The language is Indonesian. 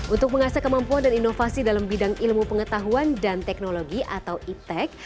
untuk mengasah kemampuan dan inovasi dalam bidang ilmu pengetahuan dan teknologi atau iptec